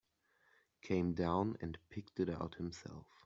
Came down and picked it out himself.